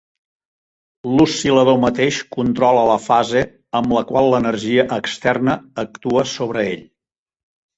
L'oscil·lador mateix controla la fase amb la qual l'energia externa actua sobre ell.